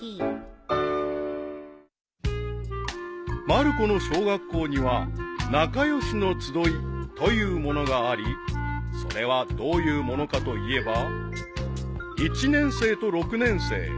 ［まる子の小学校には「なかよしの集い」というものがありそれはどういうものかといえば］